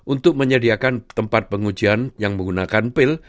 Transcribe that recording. untuk menyediakan tempat pengujian yang menggunakan pil